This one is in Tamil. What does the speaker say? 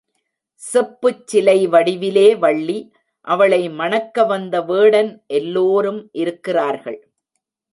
செப்புச்சிலை வடிவிலே வள்ளி, அவளை மணக்கவந்த வேடன் எல்லோரும் இருக்கிறார்கள்.